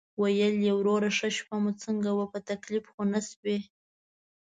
ویل یې: "وروره شپه مو څنګه وه، په تکلیف خو نه شوئ؟"